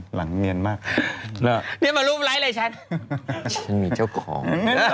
หลังเนียนมากเนี้ยหมายแบบไม่แร็คฉันมีเจ้าของ